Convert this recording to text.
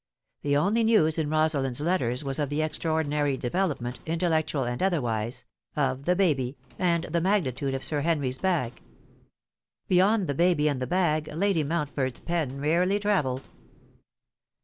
The only naws in Rosalind's letters was of the extraordinary development intellectual and otherwise of the baby, and the magnitude of Bir Henry's bag. Beyond the baby and the bag Lady Mount ford's pen rarely travelled.